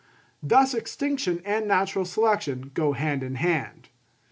Thus extinction and natural selection go hand in hand.